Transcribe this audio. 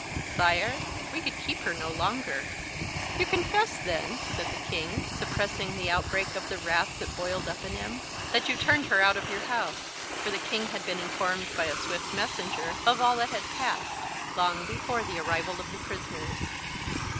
"Sire, we could keep her no longer." "You confess, then," said the king, suppressing the outbreak of the wrath that boiled up in him, "that you turned her out of your house." For the king had been informed by a swift messenger of all that had passed long before the arrival of the prisoners.